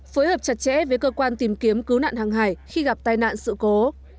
phối hợp chặt chẽ với cơ quan tìm kiếm cứu nạn hàng hải khi gặp tai nạn sự cố